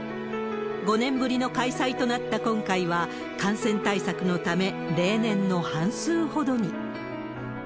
５年ぶりの開催となった今回は、感染対策のため、例年の半数ほどに。